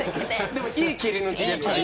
でも、いい切り抜きです。